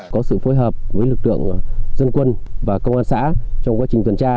có sự phối hợp với lực lượng dân quân và công an xã trong quá trình tuần tra